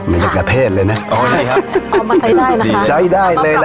เหมือนกับกระเทศเลยนะเอามาใช้ได้นะคะใช้ได้เลยแหละ